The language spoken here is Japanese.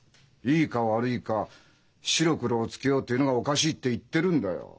いいか悪いか白黒をつけようというのがおかしいって言ってるんだよ。